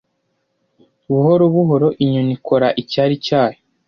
Buhoro buhoro, inyoni ikora icyari cyayo.